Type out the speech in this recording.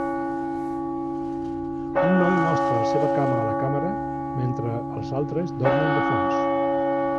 Un noi mostra la seva cama a la càmera mentre els altres dormen de fons.